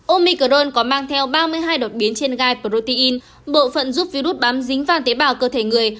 omicrone có mang theo ba mươi hai đột biến trên gai protein bộ phận giúp virus bám dính vàon tế bào cơ thể người